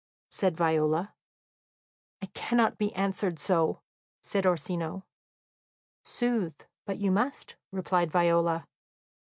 said Viola. "I cannot be answered so," said Orsino. "Sooth, but you must," replied Viola.